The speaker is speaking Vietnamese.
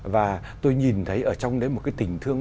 và tôi nhìn thấy ở trong đấy một cái tình thương